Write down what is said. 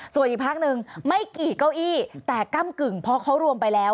ส่วนอีกพักหนึ่งไม่กี่เก้าอี้แต่ก้ำกึ่งเพราะเขารวมไปแล้ว